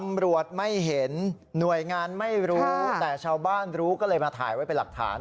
ตำรวจไม่เห็นหน่วยงานไม่รู้แต่ชาวบ้านรู้ก็เลยมาถ่ายไว้เป็นหลักฐาน